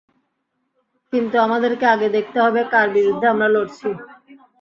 কিন্তু, আমাদেরকে আগে দেখতে হবে কার বিরুদ্ধে আমরা লড়ছি!